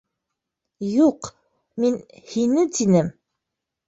Юҡ, мин «һине», тинем.